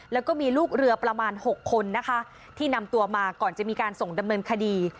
แล้วก็มีลูกเรือประมาณ๖คนนะคะที่นำตัวมาก่อนจะมีการส่งดำเนินคดี